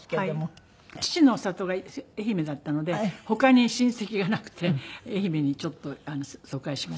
父の里が愛媛だったので他に親戚がなくて愛媛にちょっと疎開しました。